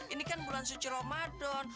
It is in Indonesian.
ini kan bulan suci ramadan